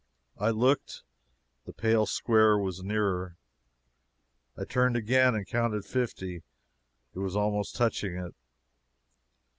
I looked the pale square was nearer. I turned again and counted fifty it was almost touching it.